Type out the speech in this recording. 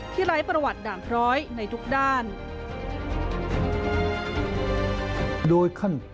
ที่ไร้ประวัติด่างเพราะในทุกด้าน